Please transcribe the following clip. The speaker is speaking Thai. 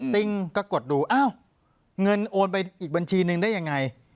ติ้งก็กดดูอ้าวเงินโอนไปอีกบัญชีนึงได้ยังไง